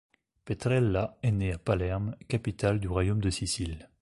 Petrella est né à Palerme, capitale du Royaume de Sicile.